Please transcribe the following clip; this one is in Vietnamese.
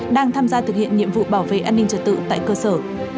đang tham gia thực hiện nhiệm vụ bảo vệ an ninh trật tự tại cơ sở